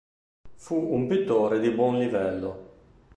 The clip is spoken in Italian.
Fu un pittore di buon livello.